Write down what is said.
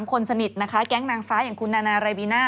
คนสนิทนะคะแก๊งนางฟ้าอย่างคุณนานารายบิน่า